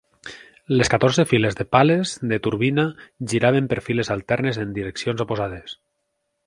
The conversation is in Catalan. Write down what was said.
Les catorze files de pales de turbina giraven per files alternes en direccions oposades.